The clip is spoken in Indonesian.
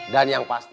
dan yang pasti